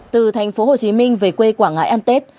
từ thành phố hồ chí minh về quê quảng ngãi ăn tết